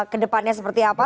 kedepannya seperti apa